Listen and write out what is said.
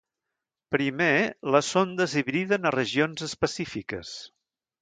Primer, les sondes hibriden a regions específiques.